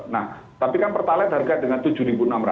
nah tapi kan pertalite harga dengan rp tujuh enam ratus